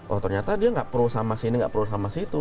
oh ternyata dia nggak pro sama sini nggak pro sama situ